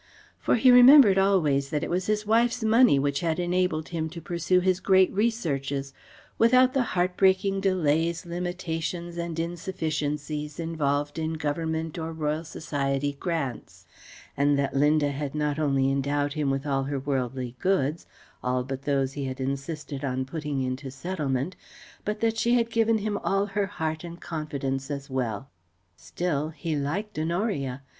For he remembered always that it was his wife's money which had enabled him to pursue his great researches without the heart breaking delays, limitations and insufficiencies involved in Government or Royal Society grants; and that Linda had not only endowed him with all her worldly goods all but those he had insisted in putting into settlement but that she had given him all her heart and confidence as well. Still, he liked Honoria.